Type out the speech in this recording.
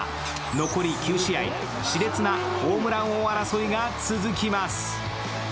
残り９試合、しれつなホームラン王争いが続きます。